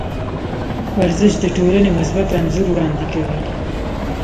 ورزش د ټولنې مثبت انځور وړاندې کوي.